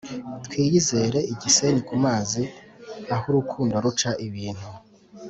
twiyizere igisenyi kumazi ahurukundo ruca ibintu